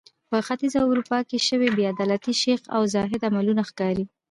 په ختیځه اروپا کې شوې بې عدالتۍ شیخ او زاهد عملونه ښکاري.